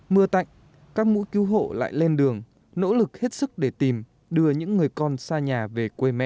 mưa tạnh các mũ cứu hộ lại lên đường nỗ lực hết sức để tìm đưa những người con xa nhà về quê mẹ